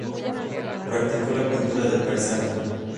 Practicó la pintura de paisaje.